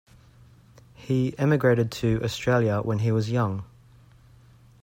He emigrated to Australia when he was young.